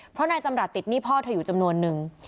เพราะนายจำรัฐติดหนี้พ่อเธออยู่จำนวนนึง